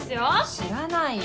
知らないよ。